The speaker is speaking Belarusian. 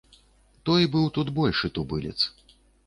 Той быў тут большы тубылец.